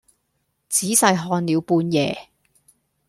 仔細看了半夜，